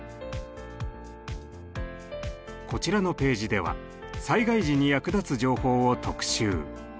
こちらのページでは災害時に役立つ情報を特集。